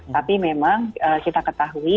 tapi memang kita ketahui